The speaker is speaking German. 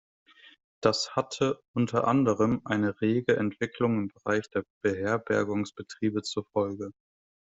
Das hatte unter anderem eine rege Entwicklung im Bereich der Beherbergungsbetriebe zur Folge.